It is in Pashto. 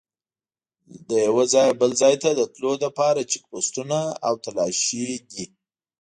له یوه ځایه بل ځای ته د تلو لپاره چیک پوسټونه او تلاشي دي.